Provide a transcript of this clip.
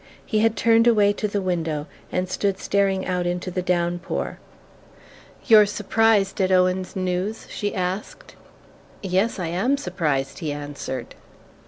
He had turned away to the window and stood staring out into the down pour. "You're surprised at Owen's news?" she asked. "Yes: I am surprised," he answered.